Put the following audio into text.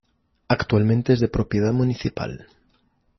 Actualmente es de propiedad municipal.